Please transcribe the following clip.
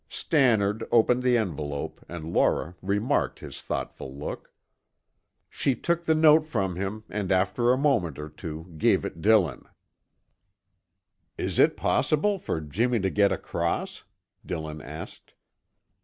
Stannard opened the envelope and Laura remarked his thoughtful look. She took the note from him and after a moment or two gave it Dillon. "Is it possible for Jimmy to get across?" Dillon asked.